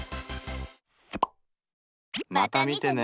また見てね。